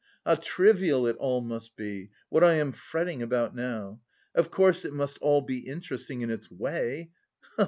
How trivial it all must be, what I am fretting about now! Of course it must all be interesting... in its way...